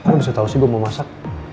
lo bisa tau sih gue mau masak